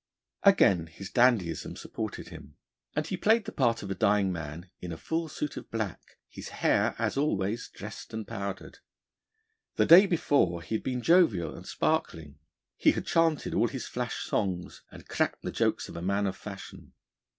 Again his dandyism supported him, and he played the part of a dying man in a full suit of black, his hair, as always, dressed and powdered. The day before he had been jovial and sparkling. He had chanted all his flash songs, and cracked the jokes of a man of fashion.